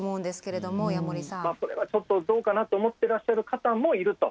まあそれはちょっとどうかなと思ってらっしゃる方もいると。